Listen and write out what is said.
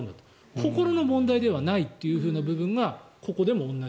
心の問題ではないというのがここでも同じ。